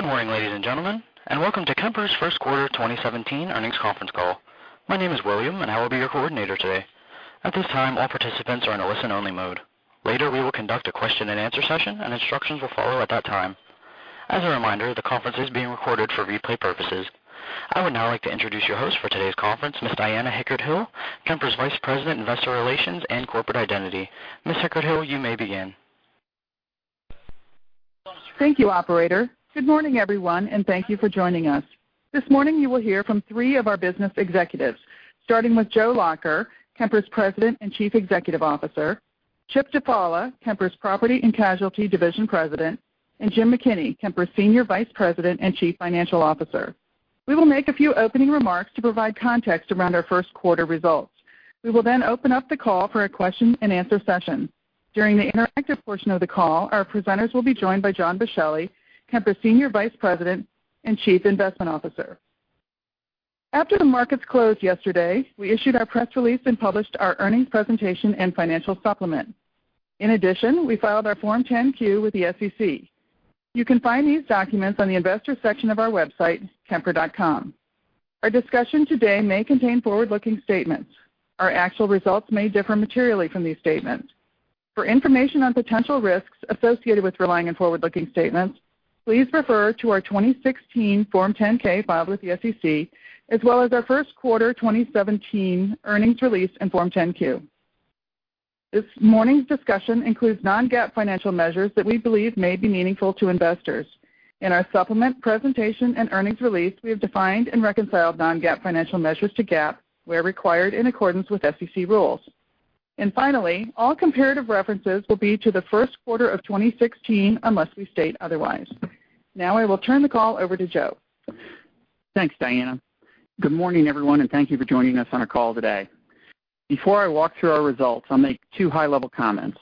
Good morning, ladies and gentlemen, and welcome to Kemper's first quarter 2017 earnings conference call. My name is William, and I will be your coordinator today. At this time, all participants are in a listen-only mode. Later, we will conduct a question and answer session, and instructions will follow at that time. As a reminder, the conference is being recorded for replay purposes. I would now like to introduce your host for today's conference, Ms. Diana Hickert-Hill, Kemper's Vice President, Investor Relations and Corporate Identity. Ms. Hickert-Hill, you may begin. Thank you, operator. Good morning, everyone, and thank you for joining us. This morning, you will hear from three of our business executives, starting with Joe Lacher, Kemper's President and Chief Executive Officer, Chip Dufala, Kemper's Property & Casualty Division President, and Jim McKinney, Kemper's Senior Vice President and Chief Financial Officer. We will make a few opening remarks to provide context around our first quarter results. We will open up the call for a question and answer session. During the interactive portion of the call, our presenters will be joined by John Boschelli, Kemper's Senior Vice President and Chief Investment Officer. After the markets closed yesterday, we issued our press release and published our earnings presentation and financial supplement. In addition, we filed our Form 10-Q with the SEC. You can find these documents on the investors section of our website, kemper.com. Our discussion today may contain forward-looking statements. Our actual results may differ materially from these statements. For information on potential risks associated with relying on forward-looking statements, please refer to our 2016 Form 10-K filed with the SEC, as well as our first quarter 2017 earnings release and Form 10-Q. This morning's discussion includes non-GAAP financial measures that we believe may be meaningful to investors. In our supplement presentation and earnings release, we have defined and reconciled non-GAAP financial measures to GAAP, where required in accordance with SEC rules. Finally, all comparative references will be to the first quarter of 2016, unless we state otherwise. I will turn the call over to Joe. Thanks, Diana. Good morning, everyone, and thank you for joining us on our call today. Before I walk through our results, I'll make two high-level comments.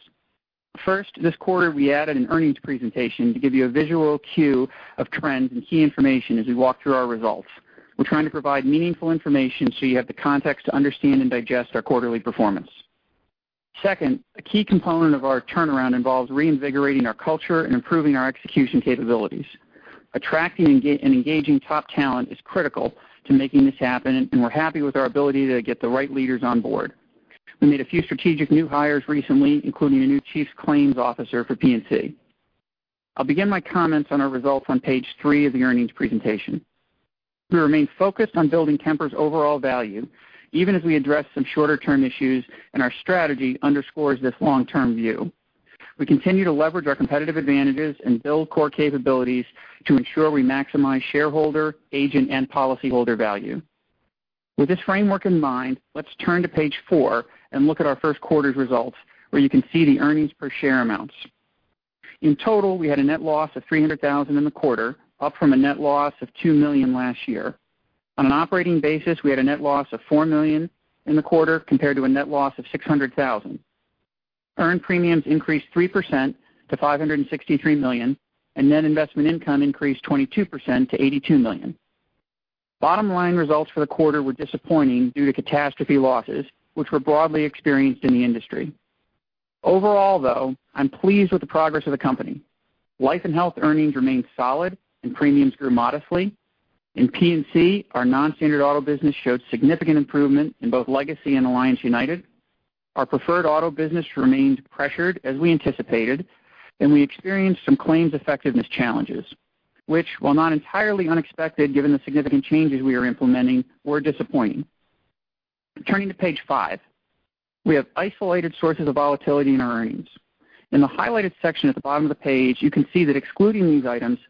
First, this quarter we added an earnings presentation to give you a visual cue of trends and key information as we walk through our results. We're trying to provide meaningful information so you have the context to understand and digest our quarterly performance. Second, a key component of our turnaround involves reinvigorating our culture and improving our execution capabilities. Attracting and engaging top talent is critical to making this happen, and we're happy with our ability to get the right leaders on board. We made a few strategic new hires recently, including a new chief claims officer for P&C. I'll begin my comments on our results on page three of the earnings presentation. We remain focused on building Kemper's overall value, even as we address some shorter-term issues, and our strategy underscores this long-term view. We continue to leverage our competitive advantages and build core capabilities to ensure we maximize shareholder, agent, and policyholder value. With this framework in mind, let's turn to page four and look at our first quarter's results, where you can see the earnings per share amounts. In total, we had a net loss of $300,000 in the quarter, up from a net loss of $2 million last year. On an operating basis, we had a net loss of $4 million in the quarter, compared to a net loss of $600,000. Earned premiums increased 3% to $563 million, and net investment income increased 22% to $82 million. Bottom line results for the quarter were disappointing due to catastrophe losses, which were broadly experienced in the industry. Overall, though, I'm pleased with the progress of the company. Life and health earnings remained solid and premiums grew modestly. In P&C, our non-standard auto business showed significant improvement in both legacy and Alliance United. Our preferred auto business remained pressured, as we anticipated, and we experienced some claims effectiveness challenges, which, while not entirely unexpected given the significant changes we are implementing, were disappointing. Turning to page five. We have isolated sources of volatility in our earnings. In the highlighted section at the bottom of the page, you can see that excluding these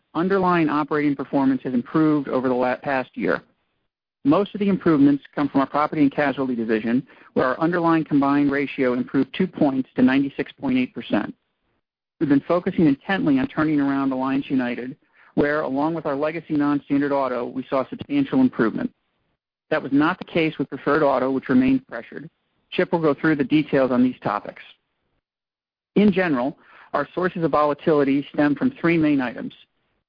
items, underlying operating performance has improved over the past year. Most of the improvements come from our property and casualty division, where our underlying combined ratio improved two points to 96.8%. We've been focusing intently on turning around Alliance United, where, along with our legacy non-standard auto, we saw substantial improvement. That was not the case with preferred auto, which remained pressured. Chip will go through the details on these topics. In general, our sources of volatility stem from three main items: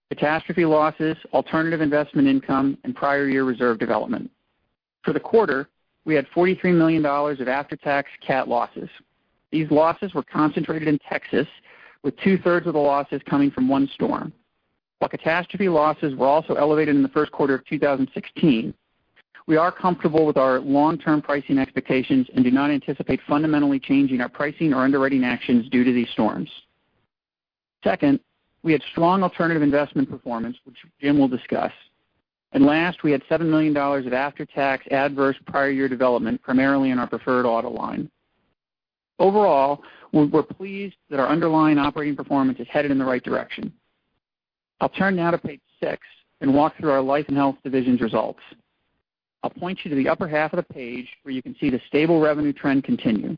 Catastrophe losses, alternative investment income, and prior year reserve development. For the quarter, we had $43 million of after-tax cat losses. These losses were concentrated in Texas, with two-thirds of the losses coming from one storm. While catastrophe losses were also elevated in the first quarter of 2016, we are comfortable with our long-term pricing expectations and do not anticipate fundamentally changing our pricing or underwriting actions due to these storms. Second, we had strong alternative investment performance, which Jim will discuss. Last, we had $7 million of after-tax adverse prior year development, primarily in our preferred auto line. Overall, we're pleased that our underlying operating performance is headed in the right direction. I'll turn now to page six and walk through our life and health division's results. I'll point you to the upper half of the page where you can see the stable revenue trend continue.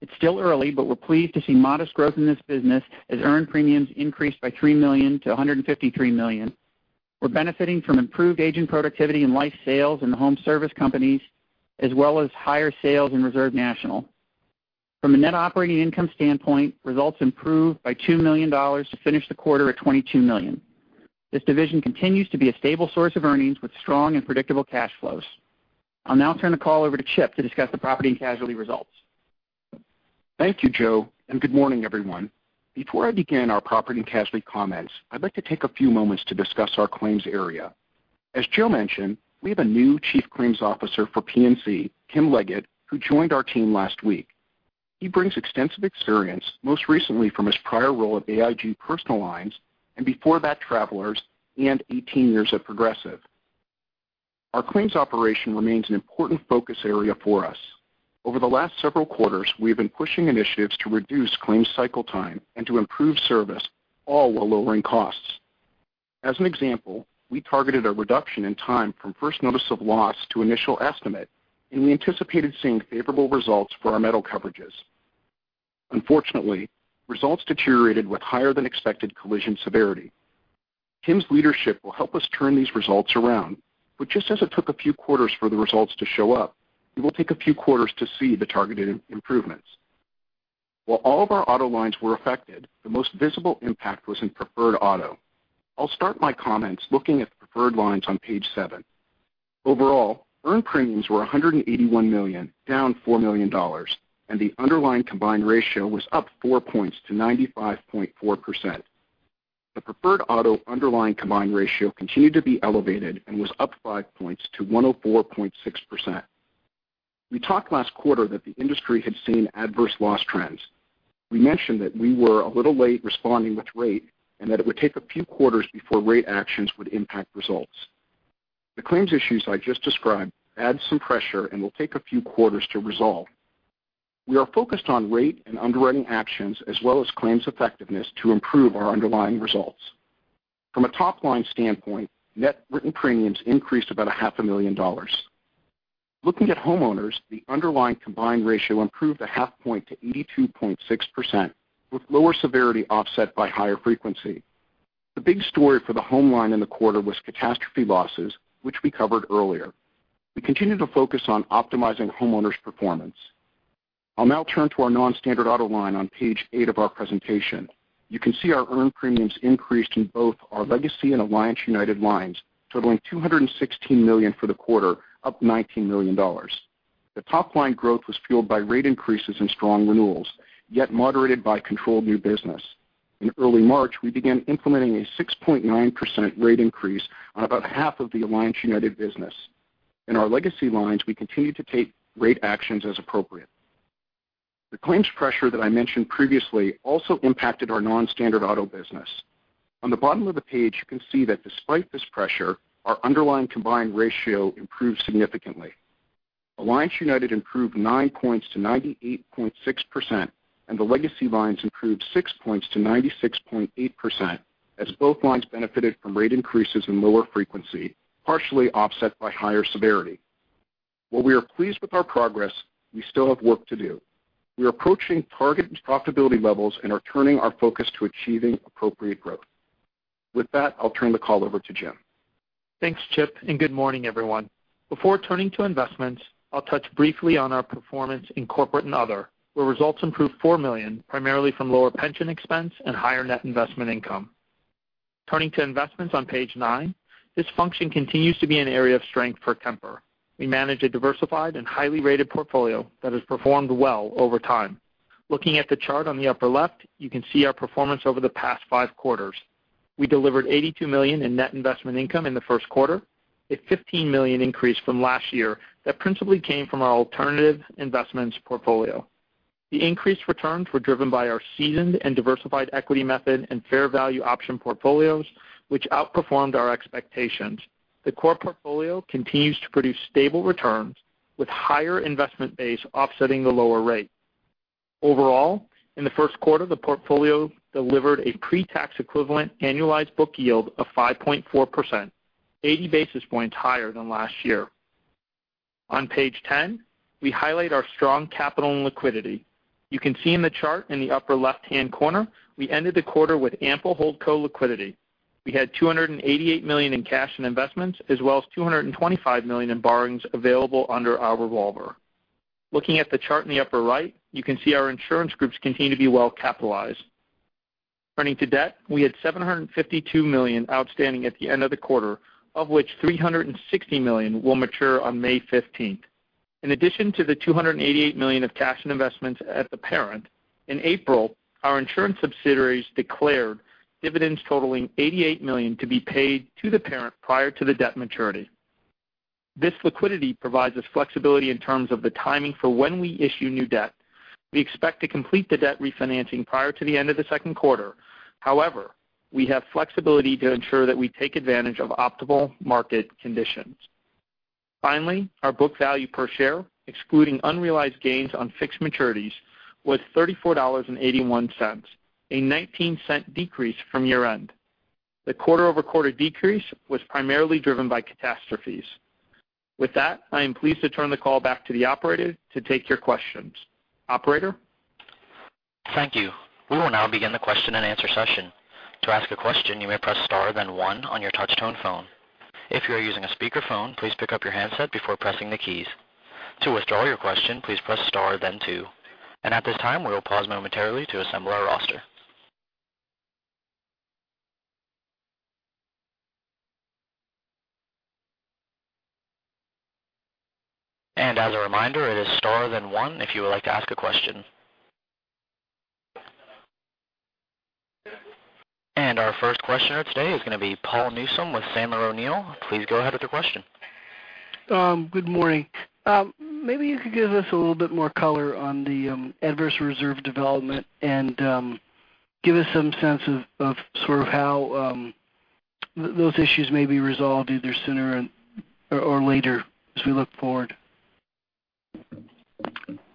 It's still early, but we're pleased to see modest growth in this business as earned premiums increased by $3 million to $153 million. We're benefiting from improved agent productivity in life sales and the home service companies, as well as higher sales in Reserve National. From a net operating income standpoint, results improved by $2 million to finish the quarter at $22 million. This division continues to be a stable source of earnings with strong and predictable cash flows. I'll now turn the call over to Chip to discuss the property and casualty results. Thank you, Joe. Good morning, everyone. Before I begin our property and casualty comments, I'd like to take a few moments to discuss our claims area. As Joe mentioned, we have a new chief claims officer for P&C, Kim Leggette, who joined our team last week. He brings extensive experience, most recently from his prior role at AIG Personal Lines, and before that, Travelers, and 18 years at Progressive. Our claims operation remains an important focus area for us. Over the last several quarters, we have been pushing initiatives to reduce claims cycle time and to improve service, all while lowering costs. As an example, we targeted a reduction in time from first notice of loss to initial estimate, and we anticipated seeing favorable results for our metal coverages. Unfortunately, results deteriorated with higher than expected collision severity. Kim's leadership will help us turn these results around, just as it took a few quarters for the results to show up, it will take a few quarters to see the targeted improvements. While all of our auto lines were affected, the most visible impact was in preferred auto. I'll start my comments looking at the preferred lines on page seven. Overall, earned premiums were $181 million, down $4 million, and the underlying combined ratio was up four points to 95.4%. The preferred auto underlying combined ratio continued to be elevated and was up five points to 104.6%. We talked last quarter that the industry had seen adverse loss trends. We mentioned that we were a little late responding with rate and that it would take a few quarters before rate actions would impact results. The claims issues I just described add some pressure and will take a few quarters to resolve. We are focused on rate and underwriting actions as well as claims effectiveness to improve our underlying results. From a top-line standpoint, net written premiums increased about a half a million dollars. Looking at homeowners, the underlying combined ratio improved a half point to 82.6%, with lower severity offset by higher frequency. The big story for the home line in the quarter was catastrophe losses, which we covered earlier. We continue to focus on optimizing homeowners' performance. I'll now turn to our non-standard auto line on page eight of our presentation. You can see our earned premiums increased in both our legacy and Alliance United lines, totaling $216 million for the quarter, up $19 million. The top line growth was fueled by rate increases and strong renewals, yet moderated by controlled new business. In early March, we began implementing a 6.9% rate increase on about half of the Alliance United business. In our legacy lines, we continue to take rate actions as appropriate. The claims pressure that I mentioned previously also impacted our non-standard auto business. On the bottom of the page, you can see that despite this pressure, our underlying combined ratio improved significantly. Alliance United improved nine points to 98.6%, and the legacy lines improved six points to 96.8% as both lines benefited from rate increases and lower frequency, partially offset by higher severity. While we are pleased with our progress, we still have work to do. We are approaching target profitability levels and are turning our focus to achieving appropriate growth. With that, I'll turn the call over to Jim. Thanks, Chip, and good morning, everyone. Before turning to investments, I'll touch briefly on our performance in corporate and other, where results improved $4 million, primarily from lower pension expense and higher net investment income. Turning to investments on page nine, this function continues to be an area of strength for Kemper. We manage a diversified and highly rated portfolio that has performed well over time. Looking at the chart on the upper left, you can see our performance over the past five quarters. We delivered $82 million in net investment income in the first quarter, a $15 million increase from last year that principally came from our alternative investments portfolio. The increased returns were driven by our seasoned and diversified equity method and fair value option portfolios, which outperformed our expectations. The core portfolio continues to produce stable returns, with higher investment base offsetting the lower rate. Overall, in the first quarter, the portfolio delivered a pre-tax equivalent annualized book yield of 5.4%, 80 basis points higher than last year. On page 10, we highlight our strong capital and liquidity. You can see in the chart in the upper left-hand corner, we ended the quarter with ample holdco liquidity. We had $288 million in cash and investments, as well as $225 million in borrowings available under our revolver. Looking at the chart in the upper right, you can see our insurance groups continue to be well capitalized. Turning to debt, we had $752 million outstanding at the end of the quarter, of which $360 million will mature on May 15th. In addition to the $288 million of cash and investments at the parent, in April, our insurance subsidiaries declared dividends totaling $88 million to be paid to the parent prior to the debt maturity. This liquidity provides us flexibility in terms of the timing for when we issue new debt. We expect to complete the debt refinancing prior to the end of the second quarter. However, we have flexibility to ensure that we take advantage of optimal market conditions. Finally, our book value per share, excluding unrealized gains on fixed maturities, was $34.81, a $0.19 decrease from year-end. The quarter-over-quarter decrease was primarily driven by catastrophes. With that, I am pleased to turn the call back to the operator to take your questions. Operator? Thank you. We will now begin the question and answer session. To ask a question, you may press star then one on your touch tone phone. If you are using a speakerphone, please pick up your handset before pressing the keys. To withdraw your question, please press star then two. At this time, we will pause momentarily to assemble our roster. As a reminder, it is star then one if you would like to ask a question. Our first questioner today is going to be Paul Newsome with Sandler O'Neill. Please go ahead with your question. Good morning. Maybe you could give us a little bit more color on the adverse reserve development and give us some sense of how those issues may be resolved either sooner or later as we look forward.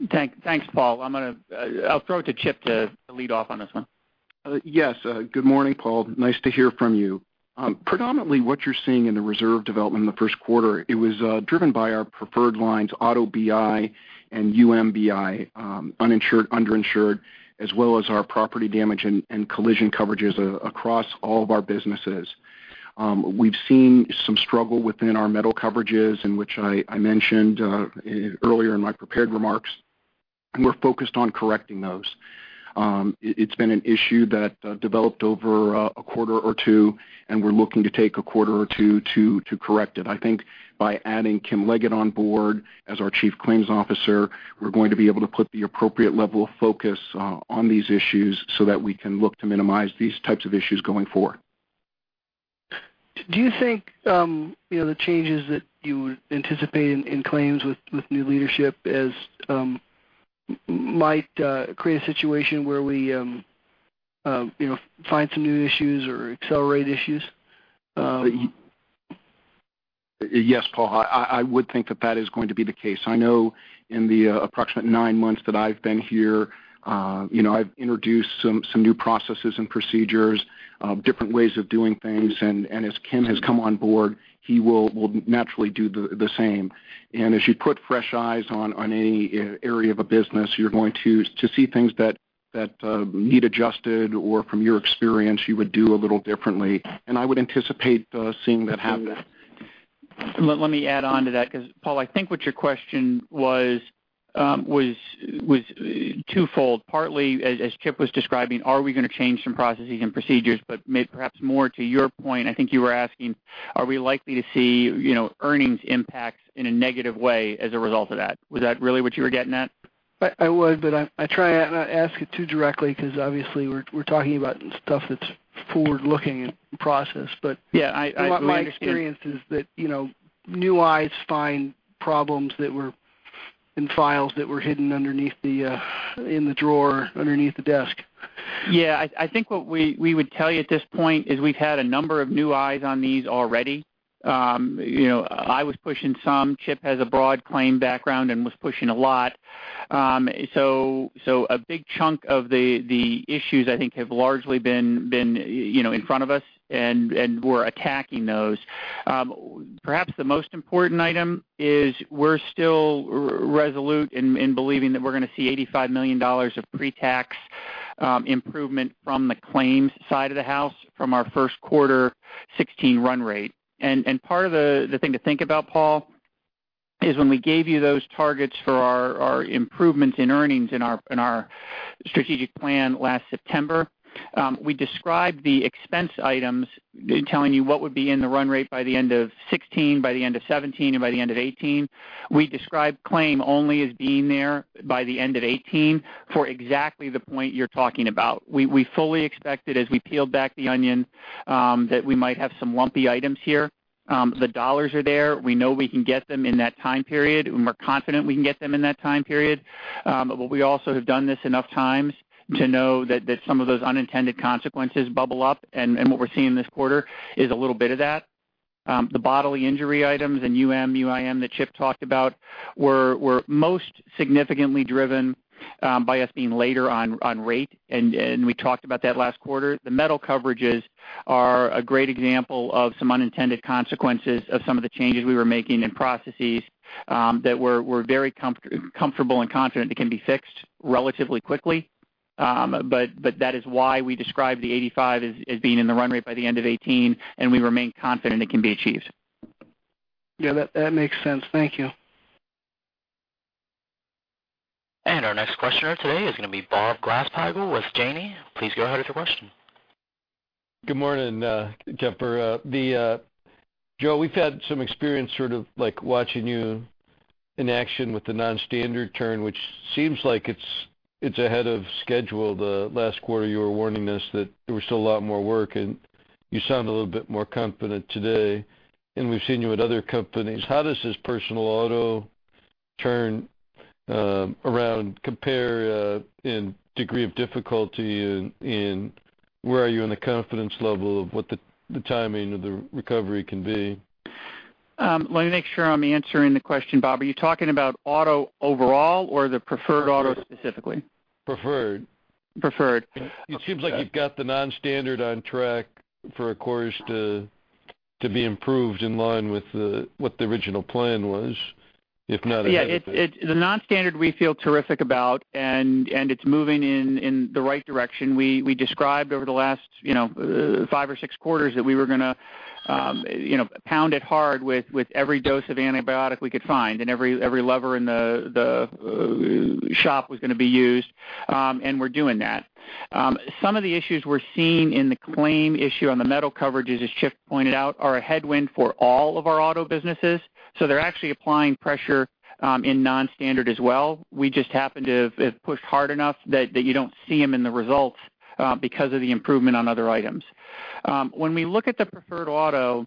Thanks, Paul. I'll throw it to Chip to lead off on this one. Yes. Good morning, Paul. Nice to hear from you. Predominantly what you're seeing in the reserve development in the first quarter, it was driven by our preferred lines, auto BI and UMBI, uninsured, underinsured, as well as our property damage and collision coverages across all of our businesses. We've seen some struggle within our metal coverages, in which I mentioned earlier in my prepared remarks, and we're focused on correcting those. It's been an issue that developed over a quarter or two, and we're looking to take a quarter or two to correct it. I think by adding Kim Leggette on board as our chief claims officer, we're going to be able to put the appropriate level of focus on these issues so that we can look to minimize these types of issues going forward. Do you think the changes that you anticipate in claims with new leadership might create a situation where we find some new issues or accelerate issues? Yes, Paul, I would think that that is going to be the case. I know in the approximate nine months that I've been here, I've introduced some new processes and procedures, different ways of doing things. As Kim has come on board, he will naturally do the same. As you put fresh eyes on any area of a business, you're going to see things that need adjusted or from your experience, you would do a little differently. I would anticipate seeing that happen. Let me add on to that, because, Paul, I think what your question was twofold. Partly, as Chip was describing, are we going to change some processes and procedures? Perhaps more to your point, I think you were asking, are we likely to see earnings impacts in a negative way as a result of that? Was that really what you were getting at? I was, I try not ask it too directly because obviously we're talking about stuff that's forward-looking in process. I agree. My experience is that new eyes find problems in files that were hidden in the drawer underneath the desk. I think what we would tell you at this point is we've had a number of new eyes on these already. I was pushing some. Chip has a broad claim background and was pushing a lot. A big chunk of the issues I think have largely been in front of us, and we're attacking those. Perhaps the most important item is we're still resolute in believing that we're going to see $85 million of pre-tax improvement from the claims side of the house from our first quarter 2016 run rate. Part of the thing to think about, Paul, is when we gave you those targets for our improvements in earnings in our strategic plan last September, we described the expense items, telling you what would be in the run rate by the end of 2016, by the end of 2017, and by the end of 2018. We described claim only as being there by the end of 2018 for exactly the point you're talking about. We fully expected, as we peeled back the onion, that we might have some lumpy items here. The dollars are there. We know we can get them in that time period, and we're confident we can get them in that time period. We also have done this enough times to know that some of those unintended consequences bubble up, and what we're seeing this quarter is a little bit of that. The bodily injury items and UM/UIM that Chip talked about were most significantly driven by us being later on rate, and we talked about that last quarter. The metal coverages are a great example of some unintended consequences of some of the changes we were making in processes that we're very comfortable and confident it can be fixed relatively quickly. That is why we describe the 85 as being in the run rate by the end of 2018, and we remain confident it can be achieved. Yeah, that makes sense. Thank you. Our next questioner today is going to be Bob Glasspiegel with Janney. Please go ahead with your question. Good morning, Kemper. Joe, we've had some experience sort of watching you in action with the non-standard turn, which seems like it's ahead of schedule. The last quarter, you were warning us that there was still a lot more work, you sound a little bit more confident today. We've seen you at other companies. How does this personal auto turnaround compare in degree of difficulty in where are you in the confidence level of what the timing of the recovery can be? Let me make sure I'm answering the question, Bob. Are you talking about auto overall or the preferred auto specifically? Preferred. Preferred. Okay. It seems like you've got the non-standard on track for a course to be improved in line with what the original plan was, if not ahead of it. Yeah. The non-standard we feel terrific about, it's moving in the right direction. We described over the last five or six quarters that we were going to pound it hard with every dose of antibiotic we could find, every lever in the shop was going to be used, we're doing that. Some of the issues we're seeing in the claim issue on the metal coverages, as Chip pointed out, are a headwind for all of our auto businesses. They're actually applying pressure in non-standard as well. We just happen to have pushed hard enough that you don't see them in the results because of the improvement on other items. When we look at the preferred auto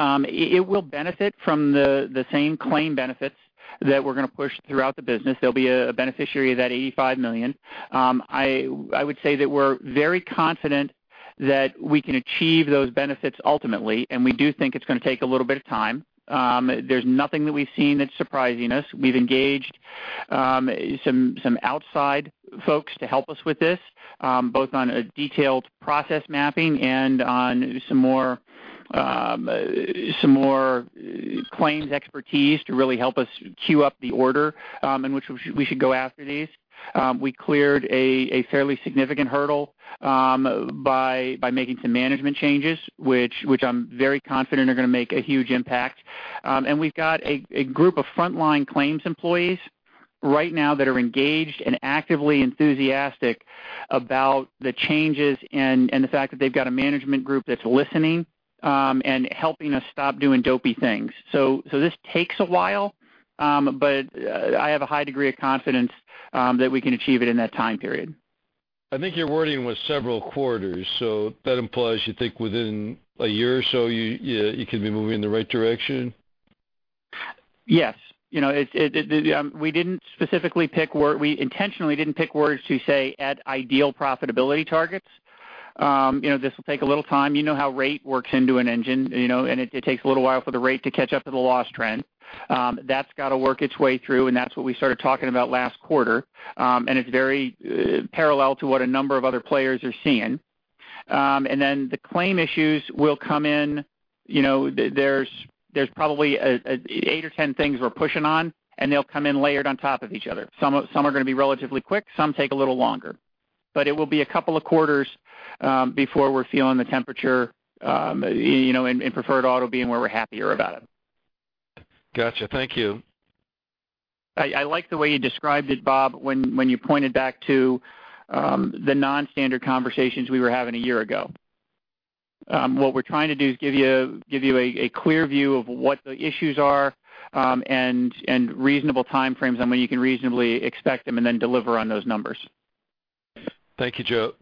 it will benefit from the same claim benefits that we're going to push throughout the business. There'll be a beneficiary of that $85 million. I would say that we're very confident that we can achieve those benefits ultimately, we do think it's going to take a little bit of time. There's nothing that we've seen that's surprising us. We've engaged some outside folks to help us with this, both on a detailed process mapping and on some more claims expertise to really help us queue up the order in which we should go after these. We cleared a fairly significant hurdle by making some management changes, which I'm very confident are going to make a huge impact. We've got a group of frontline claims employees right now that are engaged and actively enthusiastic about the changes and the fact that they've got a management group that's listening and helping us stop doing dopey things. This takes a while, I have a high degree of confidence that we can achieve it in that time period. I think your wording was several quarters, that implies, you think within a year or so, you could be moving in the right direction? Yes. We intentionally didn't pick words to say at ideal profitability targets. This will take a little time. You know how rate works into an engine, it takes a little while for the rate to catch up to the loss trend. That's got to work its way through, that's what we started talking about last quarter. It's very parallel to what a number of other players are seeing. Then the claim issues will come in. There's probably eight or 10 things we're pushing on, they'll come in layered on top of each other. Some are going to be relatively quick, some take a little longer. It will be a couple of quarters before we're feeling the temperature in preferred auto being where we're happier about it. Got you. Thank you. I like the way you described it, Bob, when you pointed back to the non-standard conversations we were having a year ago. What we're trying to do is give you a clear view of what the issues are and reasonable time frames on when you can reasonably expect them and then deliver on those numbers. Thank you, Joe.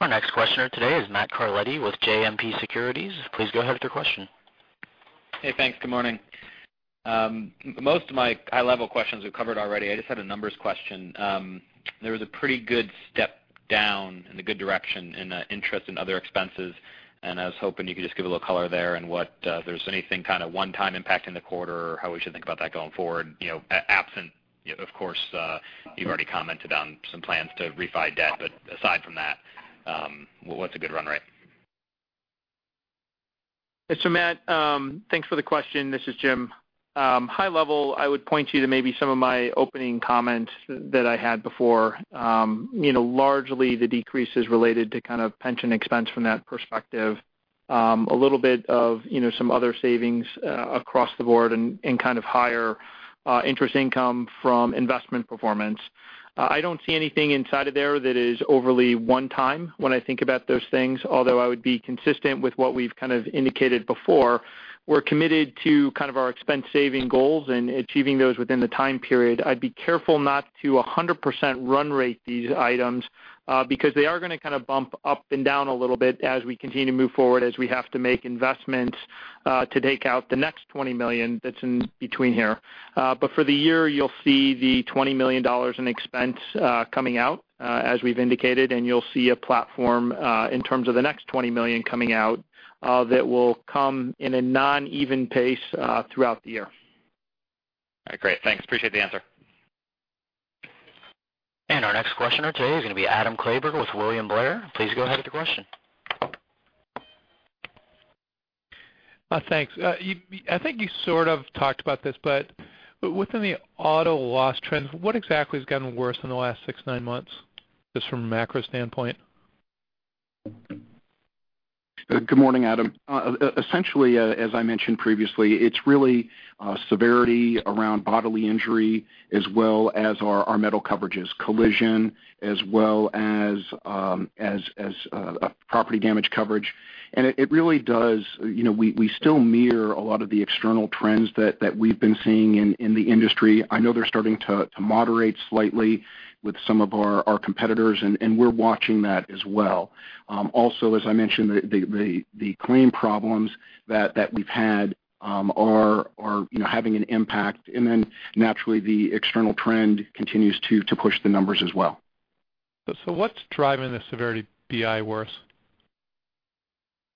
Our next questioner today is Matthew Carletti with JMP Securities. Please go ahead with your question. Thanks. Good morning. Most of my high-level questions we've covered already. I just had a numbers question. There was a pretty good step down in a good direction in interest and other expenses, and I was hoping you could just give a little color there on what, if there's anything kind of one-time impact in the quarter or how we should think about that going forward, absent, of course, you've already commented on some plans to refi debt. Aside from that, what's a good run rate? Matt, thanks for the question. This is Jim. High level, I would point you to maybe some of my opening comments that I had before. Largely the decrease is related to kind of pension expense from that perspective. A little bit of some other savings across the board and kind of higher interest income from investment performance. I don't see anything inside of there that is overly one time when I think about those things. Although I would be consistent with what we've kind of indicated before. We're committed to kind of our expense saving goals and achieving those within the time period. I'd be careful not to 100% run rate these items, because they are going to kind of bump up and down a little bit as we continue to move forward as we have to make investments to take out the next $20 million that's in between here. For the year, you'll see the $20 million in expense coming out as we've indicated, and you'll see a platform in terms of the next $20 million coming out that will come in a non-even pace throughout the year. All right, great. Thanks. Appreciate the answer. Our next questioner today is going to be Adam Klauber with William Blair. Please go ahead with your question. Thanks. I think you sort of talked about this, but within the auto loss trends, what exactly has gotten worse in the last six, nine months, just from a macro standpoint? Good morning, Adam. Essentially, as I mentioned previously, it's really severity around bodily injury as well as our metal coverages, collision as well as property damage coverage. It really does, we still mirror a lot of the external trends that we've been seeing in the industry. I know they're starting to moderate slightly with some of our competitors, and we're watching that as well. Also, as I mentioned, the claim problems that we've had are having an impact. Naturally, the external trend continues to push the numbers as well. What's driving the severity BI worse?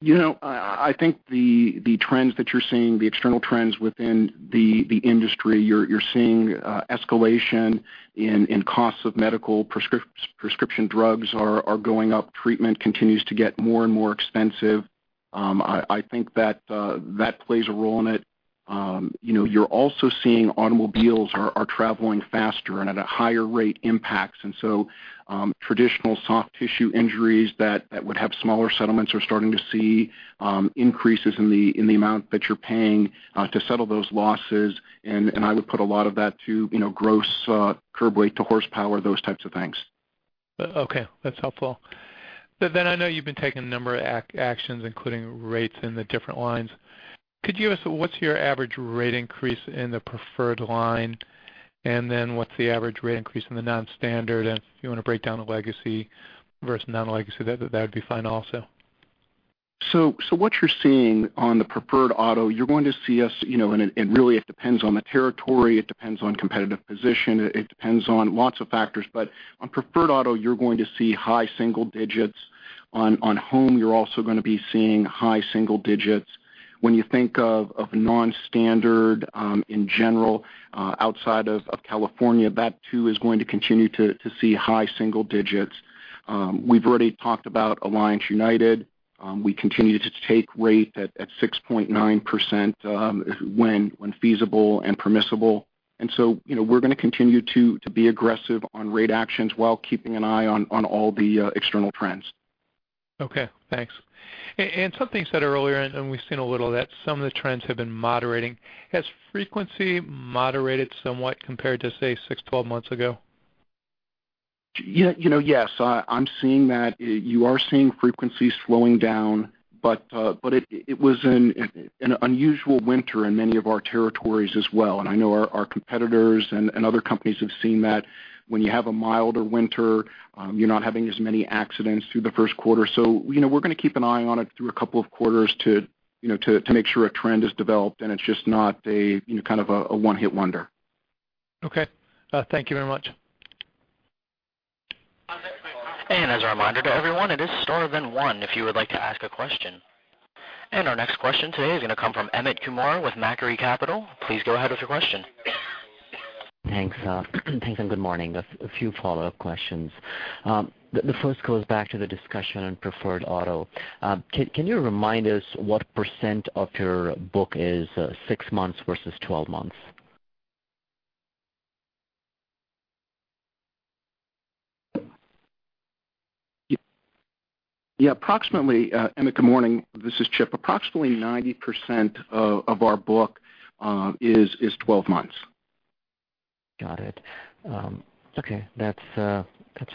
I think the trends that you're seeing, the external trends within the industry, you're seeing escalation in costs of medical prescription drugs are going up. Treatment continues to get more and more expensive. I think that plays a role in it. You're also seeing automobiles are traveling faster and at a higher rate impacts, traditional soft tissue injuries that would have smaller settlements are starting to see increases in the amount that you're paying to settle those losses. I would put a lot of that to gross curb weight to horsepower, those types of things. Okay. That's helpful. I know you've been taking a number of actions, including rates in the different lines. Could you give us what's your average rate increase in the preferred line? What's the average rate increase in the non-standard? If you want to break down the legacy versus non-legacy, that'd be fine also. What you're seeing on the preferred auto, you're going to see us, and really it depends on the territory, it depends on competitive position, it depends on lots of factors. On preferred auto, you're going to see high single digits. On home, you're also going to be seeing high single digits. When you think of non-standard, in general, outside of California, that too is going to continue to see high single digits. We've already talked about Alliance United. We continue to take rate at 6.9% when feasible and permissible. We're going to continue to be aggressive on rate actions while keeping an eye on all the external trends. Okay, thanks. Something said earlier, and we've seen a little of that, some of the trends have been moderating. Has frequency moderated somewhat compared to, say, six, 12 months ago? Yes. I'm seeing that. You are seeing frequencies slowing down. It was an unusual winter in many of our territories as well. I know our competitors and other companies have seen that when you have a milder winter, you're not having as many accidents through the first quarter. We're going to keep an eye on it through a couple of quarters to make sure a trend is developed and it's just not a one-hit wonder. Okay. Thank you very much. As a reminder to everyone, it is star then one if you would like to ask a question. Our next question today is going to come from Amit Kumar with Macquarie Capital. Please go ahead with your question. Thanks. Thanks. Good morning. A few follow-up questions. The first goes back to the discussion on preferred auto. Can you remind us what % of your book is six months versus 12 months? Yeah. Amit, good morning. This is Chip. Approximately 90% of our book is 12 months. Got it. Okay, that's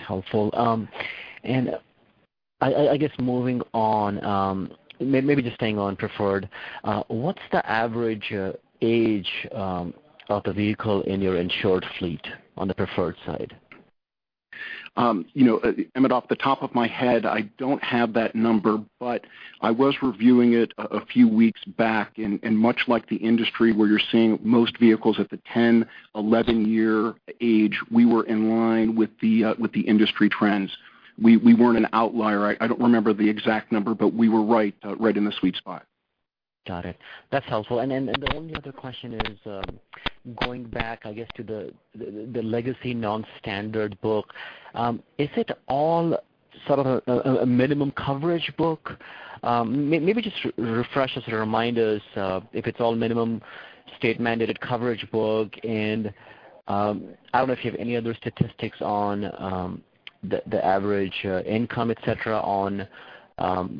helpful. I guess moving on, maybe just staying on preferred, what's the average age of the vehicle in your insured fleet on the preferred side? Amit, off the top of my head, I don't have that number, but I was reviewing it a few weeks back, much like the industry where you're seeing most vehicles at the 10, 11-year age, we were in line with the industry trends. We weren't an outlier. I don't remember the exact number, but we were right in the sweet spot. Got it. That's helpful. The only other question is going back, I guess, to the legacy non-standard book. Is it all sort of a minimum coverage book? Maybe just refresh us or remind us if it's all minimum state-mandated coverage book, I don't know if you have any other statistics on the average income, et cetera,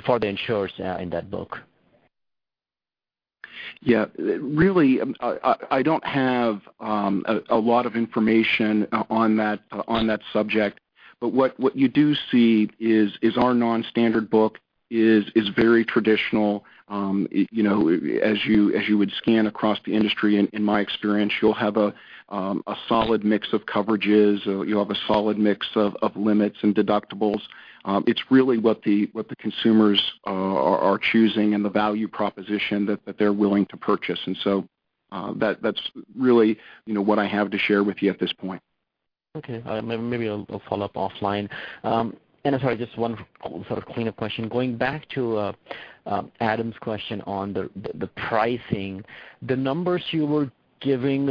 for the insurers in that book. Yeah. Really, I don't have a lot of information on that subject. What you do see is our non-standard book is very traditional. As you would scan across the industry, in my experience, you'll have a solid mix of coverages. You'll have a solid mix of limits and deductibles. It's really what the consumers are choosing and the value proposition that they're willing to purchase. That's really what I have to share with you at this point. Okay. Maybe I'll follow up offline. Sorry, just one sort of cleanup question. Going back to Adam's question on the pricing, the numbers you were giving,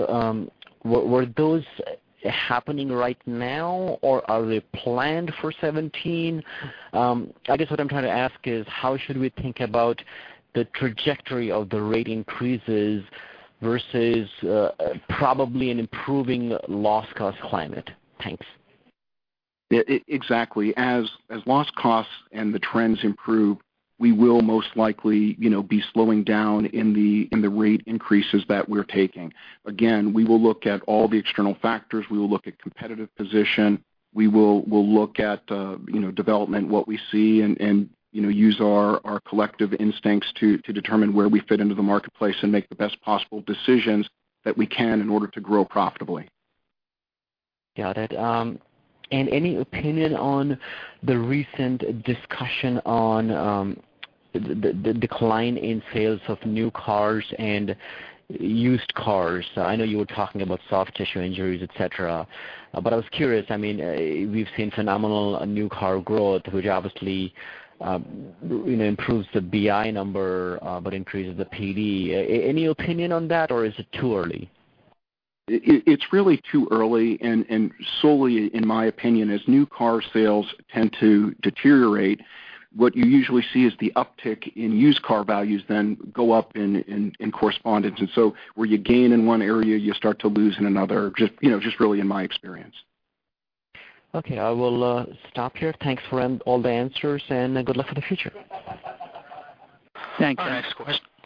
were those happening right now, or are they planned for 2017? I guess what I'm trying to ask is how should we think about the trajectory of the rate increases versus probably an improving loss cost climate? Thanks. Exactly. As loss costs and the trends improve, we will most likely be slowing down in the rate increases that we're taking. Again, we will look at all the external factors. We will look at competitive position. We'll look at development, what we see, and use our collective instincts to determine where we fit into the marketplace and make the best possible decisions that we can in order to grow profitably. Got it. Any opinion on the recent discussion on the decline in sales of new cars and used cars? I know you were talking about soft tissue injuries, et cetera. I was curious, we've seen phenomenal new car growth, which obviously improves the BI number, but increases the PD. Any opinion on that, or is it too early? It's really too early, solely in my opinion, as new car sales tend to deteriorate, what you usually see is the uptick in used car values then go up in correspondence. Where you gain in one area, you start to lose in another, just really in my experience. Okay. I will stop here. Thanks for all the answers and good luck for the future. Thanks.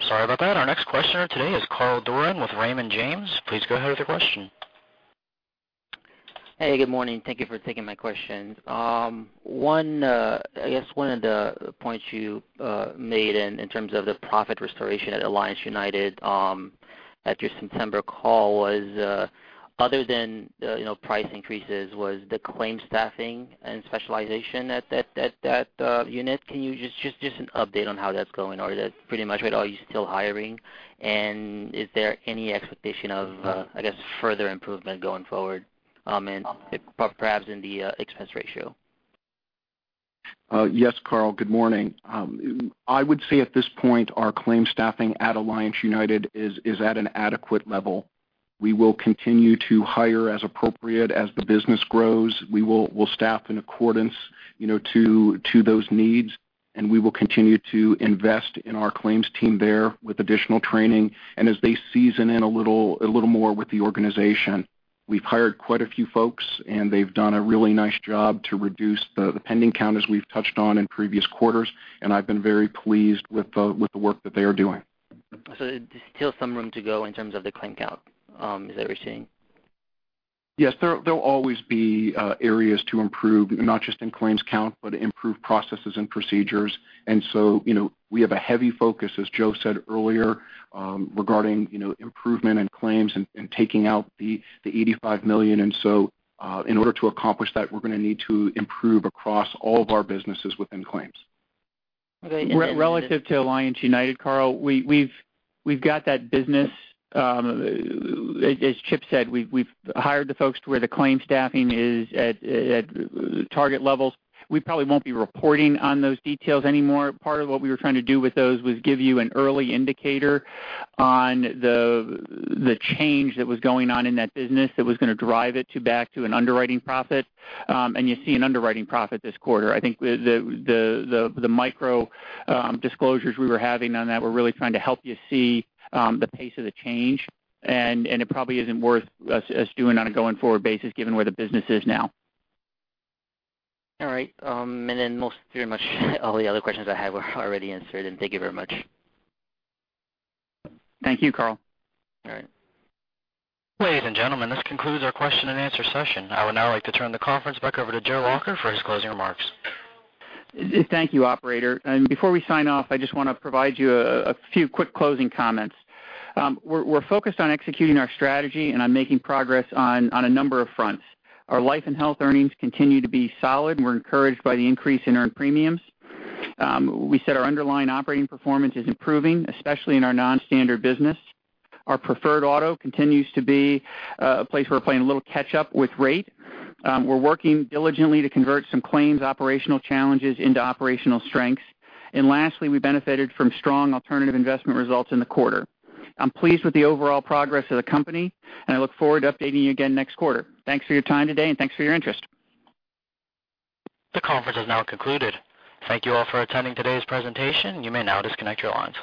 Sorry about that. Our next questioner today is Carl Duran with Raymond James. Please go ahead with your question. Hey, good morning. Thank you for taking my questions. One of the points you made in terms of the profit restoration at Alliance United at your September call was, other than price increases, was the claim staffing and specialization at that unit. Just an update on how that's going, or that's pretty much it. Are you still hiring, and is there any expectation of further improvement going forward, and perhaps in the expense ratio? Yes, Carl, good morning. I would say at this point, our claim staffing at Alliance United is at an adequate level. We will continue to hire as appropriate as the business grows. We'll staff in accordance to those needs, and we will continue to invest in our claims team there with additional training and as they season in a little more with the organization. We've hired quite a few folks, and they've done a really nice job to reduce the pending count as we've touched on in previous quarters, and I've been very pleased with the work that they are doing. There's still some room to go in terms of the claim count that we're seeing? Yes. There'll always be areas to improve, not just in claims count, but improved processes and procedures. We have a heavy focus, as Joe said earlier, regarding improvement in claims and taking out the $85 million. In order to accomplish that, we're going to need to improve across all of our businesses within claims. Okay. Relative to Alliance United, Carl, we've got that business. As Chip said, we've hired the folks to where the claim staffing is at target levels. We probably won't be reporting on those details anymore. Part of what we were trying to do with those was give you an early indicator on the change that was going on in that business that was going to drive it back to an underwriting profit. You see an underwriting profit this quarter. I think the micro disclosures we were having on that were really trying to help you see the pace of the change, and it probably isn't worth us doing on a going-forward basis given where the business is now. All right. Most pretty much all the other questions I had were already answered, and thank you very much. Thank you, Carl. All right. Ladies and gentlemen, this concludes our question and answer session. I would now like to turn the conference back over to Joe Lacher for his closing remarks. Thank you, operator, and before we sign off, I just want to provide you a few quick closing comments. We're focused on executing our strategy, and I'm making progress on a number of fronts. Our life and health earnings continue to be solid, and we're encouraged by the increase in earned premiums. We said our underlying operating performance is improving, especially in our non-standard business. Our preferred auto continues to be a place we're playing a little catch-up with rate. We're working diligently to convert some claims operational challenges into operational strengths. Lastly, we benefited from strong alternative investment results in the quarter. I'm pleased with the overall progress of the company, and I look forward to updating you again next quarter. Thanks for your time today, and thanks for your interest. The conference has now concluded. Thank you all for attending today's presentation. You may now disconnect your lines.